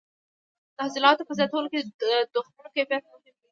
د حاصلاتو په زیاتولو کې د تخمونو کیفیت مهم دی.